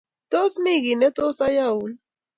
Tos mi kit ne tos ayaun